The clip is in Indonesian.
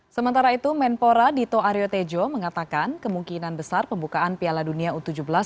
sementara itu menpora dito aryo tejo mengatakan kemungkinan besar pembukaan piala dunia u tujuh belas dua ribu dua puluh tiga